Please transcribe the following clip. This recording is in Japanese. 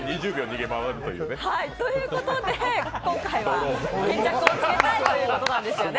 ということで今回は決着をつけたいということなんですね。